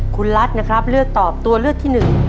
คุณรัฐนะครับเลือกตอบตัวเลือกที่๑